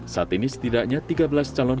saat ini setidaknya tiga belas calon